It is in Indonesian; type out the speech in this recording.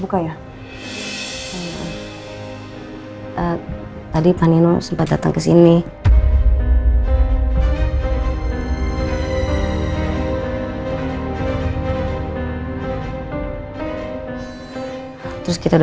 kalau ministre masih sama gue